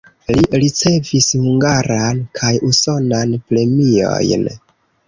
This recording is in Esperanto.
Li ricevis hungaran kaj usonan premiojn.